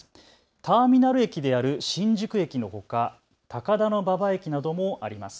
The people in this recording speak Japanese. ターミナル駅である新宿駅のほか高田馬場駅などもあります。